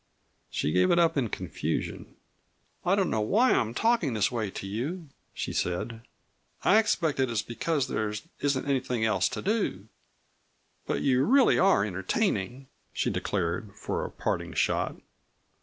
She gave it up in confusion. "I don't know why I am talking this way to you," she said. "I expect it is because there isn't anything else to do. But you really are entertaining!" she declared, for a parting shot.